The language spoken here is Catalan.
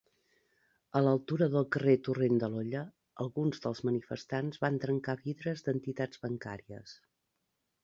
A l'altura del carrer Torrent de l'Olla, alguns dels manifestants van trencar vidres d'entitats bancàries.